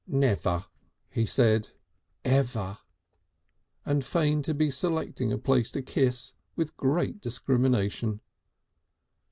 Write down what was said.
"Never!" he said. "Ever!" and feigned to be selecting a place to kiss with great discrimination.